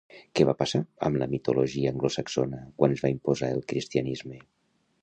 Què va passar amb la mitologia anglosaxona quan es va imposar el cristianisme?